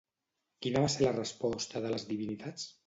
Quina va ser la resposta de les divinitats?